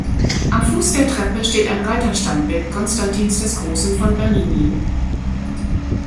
Am Fuß der Treppe steht ein Reiterstandbild Konstantins des Großen von Bernini.